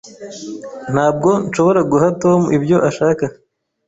Ntabwo nshobora guha Tom ibyo ashaka.